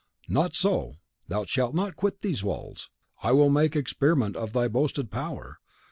"Not so; thou shalt not quit these walls. I will make experiment of thy boasted power.